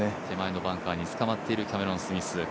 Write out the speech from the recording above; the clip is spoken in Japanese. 手前のバンカーにつかまっているキャメロン・スミス。